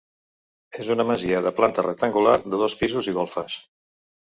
És una masia de planta rectangular de dos pisos i golfes.